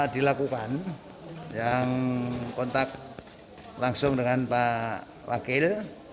dilakukan yang kontak langsung dengan pak wakil